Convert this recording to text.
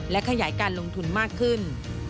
และขยายการลงทุนมากขึ้น